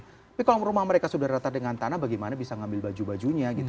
tapi kalau rumah mereka sudah rata dengan tanah bagaimana bisa ngambil baju bajunya gitu